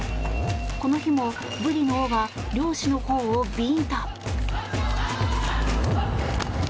この日もブリの尾が漁師の頬をビンタ。